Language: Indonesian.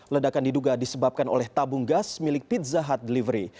ledakan diduga disebabkan oleh tabung gas milik pizza hut delivery